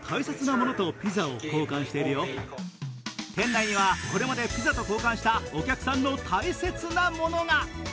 店内にはこれまでピザと交換したお客さんの大切なものが。